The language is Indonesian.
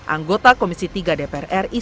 anggota komisi tiga dpr ri